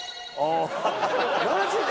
マジで！？